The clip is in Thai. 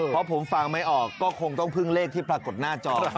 เพราะผมฟังไม่ออกก็คงต้องพึ่งเลขที่ปรากฏหน้าจอ